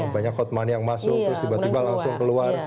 banyak hot money yang masuk terus tiba tiba langsung keluar